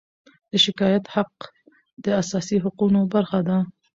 د شکایت حق د اساسي حقونو برخه ده.